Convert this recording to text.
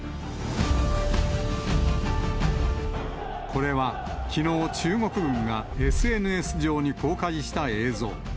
これはきのう、中国軍がＳＮＳ上に公開した映像。